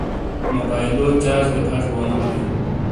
موبائیلو چارج گہ پھش بونو بِلِیں۔